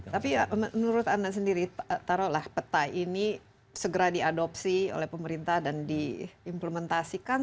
tapi menurut anda sendiri taruhlah peta ini segera diadopsi oleh pemerintah dan diimplementasikan